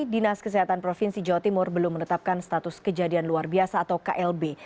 dinas kesehatan provinsi jawa timur belum menetapkan status kejadian luar biasa atau klb